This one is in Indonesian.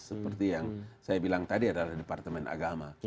seperti yang saya bilang tadi adalah departemen agama